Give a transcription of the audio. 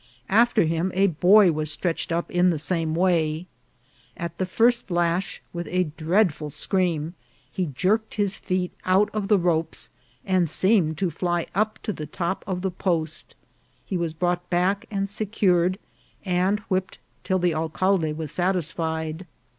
After him a boy was stretched up in the same way. At the first lash, with WHIPPING POSTS. 169 a dreadful scieam, he jerked his feet out of the ropes, and seemed to fly up to the top of the post. He was brought back and secured, and whipped till the alcalde was satisfied.